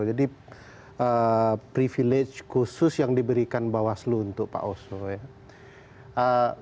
jadi privilege khusus yang diberikan bawaslu untuk pak oso ya